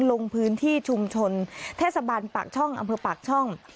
ลงพื้นที่ชุมชนเทศบาลปากช่องอำเภอปากช่อง